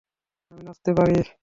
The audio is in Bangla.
আমি নাচতে পারি।